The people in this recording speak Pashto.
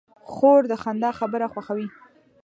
خور د خندا خبره خوښوي.